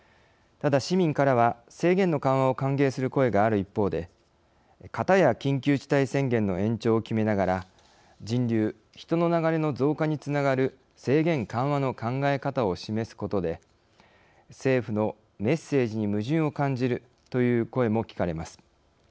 ただ、市民からは制限の緩和を歓迎する声がある一方でかたや緊急事態宣言の延長を決めながら人流、人の流れの増加につながる制限緩和の考え方を示すことで政府のメッセージに矛盾を感じるという声も聞かれます。